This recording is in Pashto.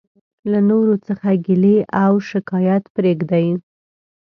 له نورو څخه ګيلي او او شکايت پريږدٸ.